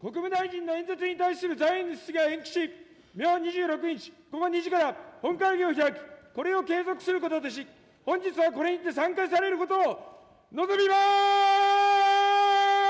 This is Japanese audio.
国務大臣の演説に対する残余の質問を延期し、明２６日午後２時から、本会議を開き、これを継続することとし、本日はこれにて散会されることを望みます。